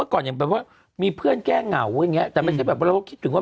อาจจะลองดูว่ามีคนมาติดไกลว่ามีจ้างไหมอะไรยังไง